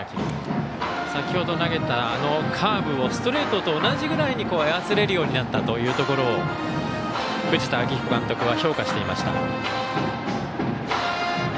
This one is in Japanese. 先ほど投げたカーブをストレートと同じぐらいに操れるようになったというところを藤田明彦監督は評価していました。